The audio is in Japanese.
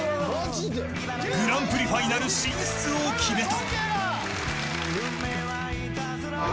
グランプリファイナル進出を決めた。